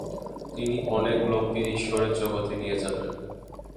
তিনি অনেক লোককে ঈশ্বরের জগতে নিয়ে যাবেন"।